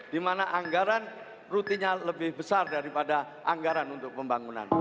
dimana anggaran rutinnya lebih besar daripada anggaran untuk pembangunan